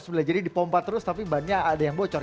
sebelah jadi dipompa terus tapi bannya ada yang bocor